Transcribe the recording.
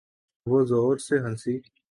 وہ زور سے ہنسی۔